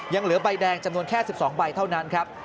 ยังเหลือใบแดงจำนวนแค่๑๒ใบเท่านั้นครับ